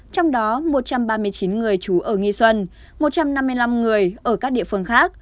trong đó một trăm ba mươi chín người trú ở nghi xuân một trăm năm mươi năm người ở các địa phương khác